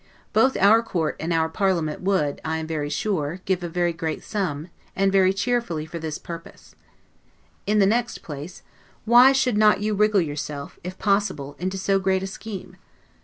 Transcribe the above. Both our Court and our parliament would, I am very sure, give a very great sum, and very cheerfully, for this purpose. In the next place, Why should not you wriggle yourself, if possible, into so great a scheme?